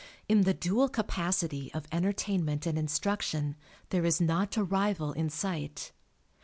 In the dual capacity of entertainment and instruction there is not a rival in sight.